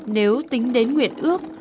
nếu tính đến nguyện ước